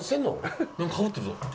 何かかぶってるぞ。